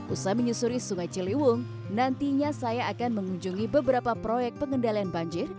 usai menyusuri sungai ciliwung nantinya saya akan mengunjungi beberapa proyek pengendalian banjir